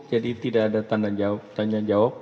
jadi tidak ada tanda jawab